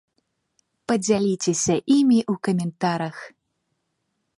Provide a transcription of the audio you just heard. Падзяліцеся імі ў каментарах!